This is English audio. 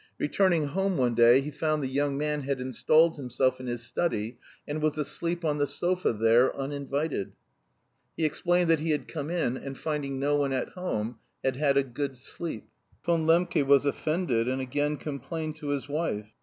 Returning home one day he found the young man had installed himself in his study and was asleep on the sofa there, uninvited. He explained that he had come in, and finding no one at home had "had a good sleep." Von Lembke was offended and again complained to his wife.